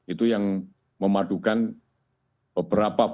itu yang memadukan beberapa faktor